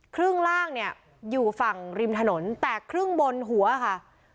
ครึ่งล่างเนี่ยอยู่ฝั่งริมถนนแต่ครึ่งบนหัวค่ะ